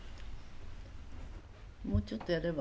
もうちょっとやれば？